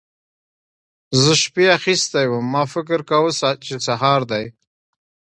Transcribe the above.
زه شپې اخيستی وم؛ ما فکر کاوو چې سهار دی.